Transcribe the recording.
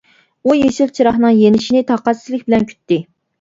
ئۇ يېشىل چىراغنىڭ يېنىشىنى تاقەتسىزلىك بىلەن كۈتتى.